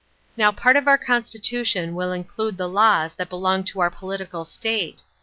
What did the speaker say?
Now part of our constitution will include the laws that belong to our political state.